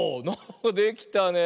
できたねえ。